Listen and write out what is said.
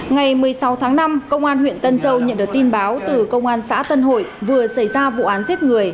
ngày một mươi sáu tháng năm công an huyện tân châu nhận được tin báo từ công an xã tân hội vừa xảy ra vụ án giết người